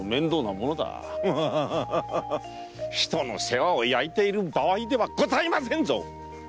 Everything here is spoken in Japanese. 人の世話を焼いている場合ではございませんぞ！